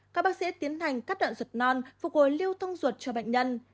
các bác sĩ tiến hành cắt đoạn ruột non phục hồi lưu thông ruột cho bệnh nhân